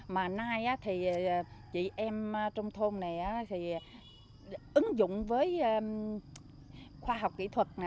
mà nay thì chị em trong thôn này thì ứng dụng với khoa học kỹ thuật